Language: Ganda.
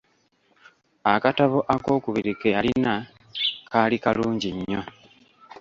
Akatabo ak’okubiri ke yalina kaali kalungi nnyo.